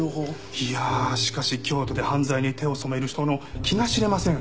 いやあしかし京都で犯罪に手を染める人の気が知れません。